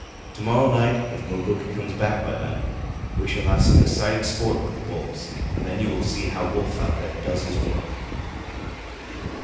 To morrow night, if Mukoki comes back by then, we shall have some exciting sport with the wolves, and then you will see how Wolf out there does his work!"